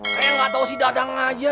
saya gak tahu si dadang aja